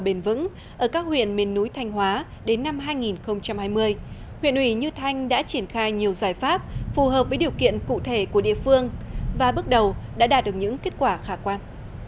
đến năm hai nghìn hai mươi huyện ủy như thanh đã triển khai nhiều giải pháp phù hợp với điều kiện cụ thể của địa phương và bước đầu đã đạt được những kết quả khả quan